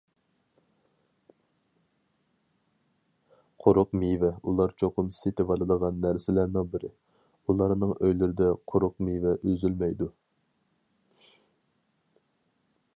قۇرۇق مېۋە ئۇلار چوقۇم سېتىۋالىدىغان نەرسىلەرنىڭ بىرى، ئۇلارنىڭ ئۆيلىرىدە قۇرۇق مېۋە ئۈزۈلمەيدۇ.